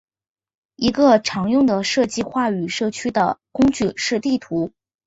一个常用的设计话语社区的工具是地图。